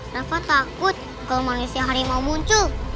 rafa takut kalau manusia hari mau muncul